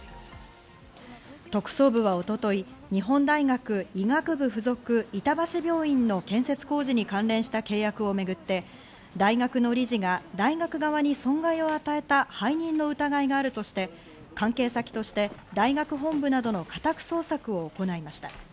特捜部は一昨日、日本大学医学部付属板橋病院の建設工事に関連した契約をめぐって、大学の理事が大学側に損害を与えた背任の疑いがあるとして、関係先として大学本部などの家宅捜索を行いました。